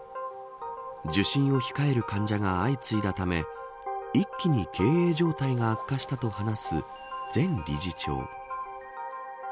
受診を控える患者が相次いだため一気に経営状態が悪化したと話す前理事長。